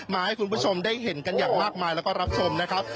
ให้คุณผู้ชมได้เห็นกันอย่างมากมายแล้วก็รับชมนะครับ